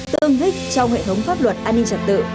tương thích trong hệ thống pháp luật an ninh trật tự